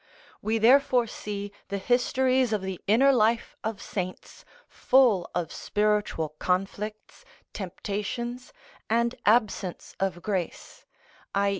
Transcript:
We therefore see the histories of the inner life of saints full of spiritual conflicts, temptations, and absence of grace, _i.